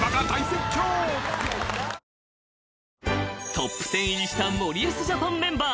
［トップテン入りした森保ジャパンメンバー］